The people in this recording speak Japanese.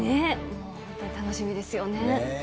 もう、本当に楽しみですよね。